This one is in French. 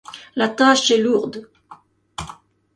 La tâche est lourde.